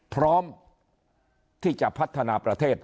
พร้อมที่จะพัฒนาประเทศ